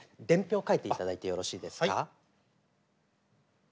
伝票書いていただいてよろしいですか？